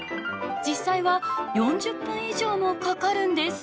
実際は４０分以上もかかるんです。